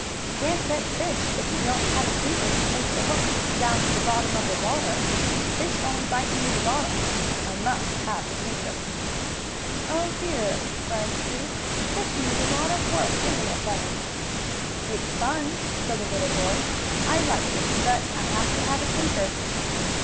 "You can't catch fish if you don't have a sinker to take the hook down to the bottom of the water. Fish only bite near the bottom. I must have a sinker." "Oh, dear!" exclaimed Sue. "Fishing is a lot of work; isn't it, Bunny?" "It's fun," said the little boy. "I like it, but I have to have a sinker."